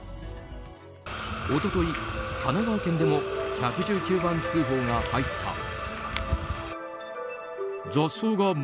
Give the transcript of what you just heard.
一昨日、神奈川県でも１１９番通報が入った。